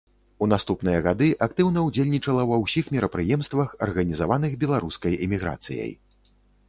У наступныя гады актыўна ўдзельнічала ва ўсіх мерапрыемствах, арганізаваных беларускай эміграцыяй.